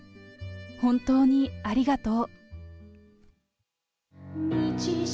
本当にありがとう。